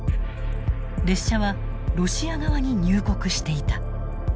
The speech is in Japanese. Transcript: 列車はロシア側に入国していた。